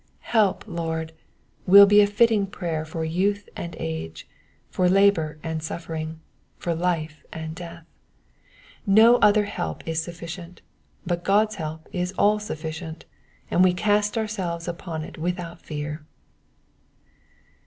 Help, Lord," will be a fitting prayer for youth and age, for labour and suffering, for life and death. No other help is sufficient, but God's help is all suflicient, and we cast ourselves upon it without fear.